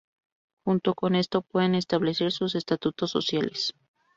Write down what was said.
Junto con esto, pueden establecer sus estatutos sociales.